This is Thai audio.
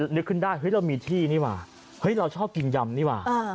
นึกขึ้นได้เฮ้ยเรามีที่นี่ว่ะเฮ้ยเราชอบกินยำนี่ว่ะ